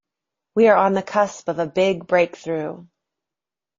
We are on the cusp of a big breakthrough.